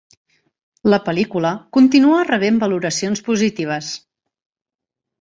La pel·lícula continua rebent valoracions positives.